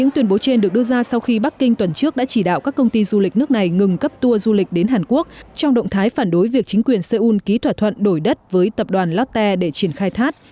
tuyên bố trên được đưa ra sau khi bắc kinh tuần trước đã chỉ đạo các công ty du lịch nước này ngừng cấp tour du lịch đến hàn quốc trong động thái phản đối việc chính quyền seoul ký thỏa thuận đổi đất với tập đoàn lotte để triển khai thác